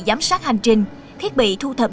giám sát hành trình thiết bị thu thập